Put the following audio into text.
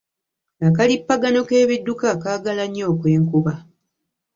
Akalippagano k'ebidduka kaagala nnyo okw'enkuba.